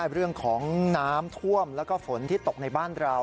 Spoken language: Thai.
เรื่องของน้ำท่วมแล้วก็ฝนที่ตกในบ้านเรา